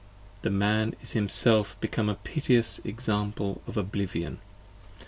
The Man is himself become A piteous example of oblivion.